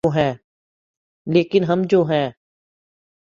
‘ لیکن ہم جو ہیں۔